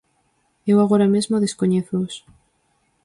Eu agora mesmo descoñézoos.